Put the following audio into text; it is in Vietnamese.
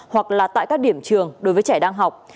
hoặc là tại các điểm trường đối với trẻ đang học